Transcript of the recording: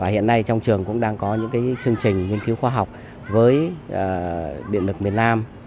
hiện nay trong trường cũng đang có những chương trình nghiên cứu khoa học với điện lực miền nam